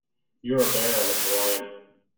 You're a baron of the land.